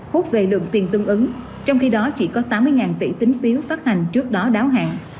hút về lượng tiền tương ứng trong khi đó chỉ có tám mươi tỷ tính phiếu phát hành trước đó đáo hạn